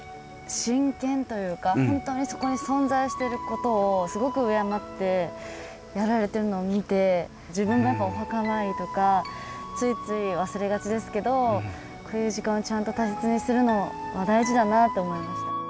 本当にそこに存在してることをすごく敬ってやられてるのを見て自分なんかお墓参りとかついつい忘れがちですけどこういう時間をちゃんと大切にするのは大事だなって思いました。